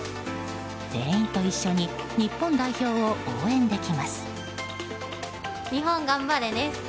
店員と一緒に日本代表を応援できます。